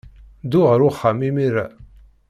Ddu ɣer uxxam imir-a.